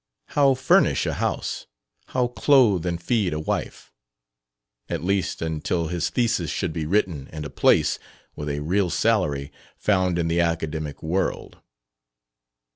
How furnish a house, how clothe and feed a wife? at least until his thesis should be written and a place, with a real salary, found in the academic world.